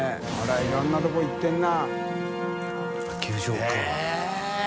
△いろんなとこ行ってるな。